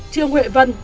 trương huệ vân